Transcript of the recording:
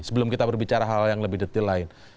sebelum kita berbicara hal yang lebih detil lain